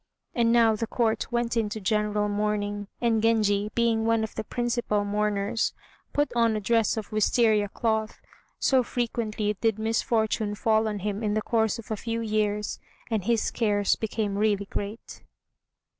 And now the Court went into general mourning, and Genji, being one of the principal mourners, put on a dress of Wistaria cloth; so frequently did misfortune fall on him in the course of a few years, and his cares became really great.